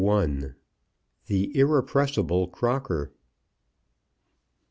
THE IRREPRESSIBLE CROCKER.